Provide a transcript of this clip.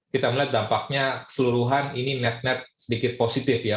kita melihat dampaknya keseluruhan ini net net sedikit positif ya